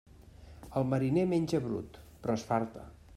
El mariner menja brut, però es farta.